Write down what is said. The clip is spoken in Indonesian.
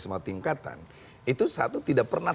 semua tingkatan itu satu tidak pernah